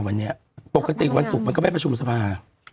วันนี้ปกติวันศุกร์มันก็ไม่ประชุมสภา